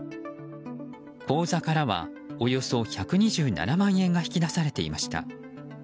口座からはおよそ１２７万円が引き出されていました。